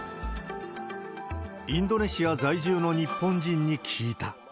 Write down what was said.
インドネシア在住の日本人に聞いた。